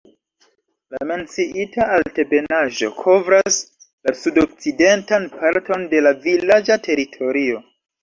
La menciita altebenaĵo kovras la sudokcidentan parton de la vilaĝa teritorio.